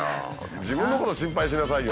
自分のこと心配しなさいよ